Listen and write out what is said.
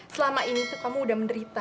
selama ini tuh kamu udah menderita